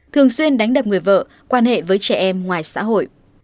thường xuyên đánh đập người vợ quan hệ với trẻ em ngoài xã hội